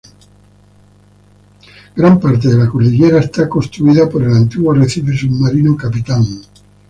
Gran parte de la cordillera está construida por el antiguo arrecife submarino Capitán.